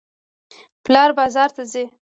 پلار بازار ته ځي.